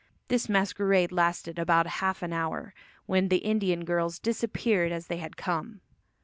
This masquerade lasted about half an hour, when the Indian girls disappeared as they had come.